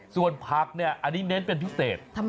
ส่วนผักเนี่ยอันนี้เน้นเป็นพิเศษ